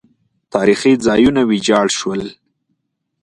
تاریخي ځایونه ویجاړ شول